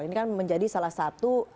ini kan menjadi salah satu